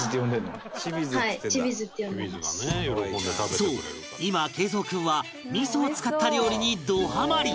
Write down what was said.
そう今敬蔵君は味を使った料理にどハマり！